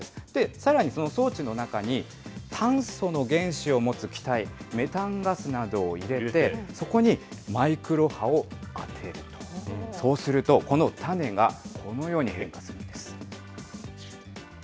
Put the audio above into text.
さらにその装置の中に、炭素の原子を持つ気体、メタンガスなどを入れて、そこにマイクロ波を当てると、そうすると、この種がこのように変化するんです。